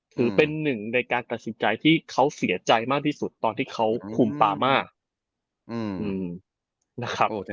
ถือเป็นหนึ่งในการตัดสินใจที่เขาเสียใจมากที่สุดตอนที่เขาคุมปามานะครับ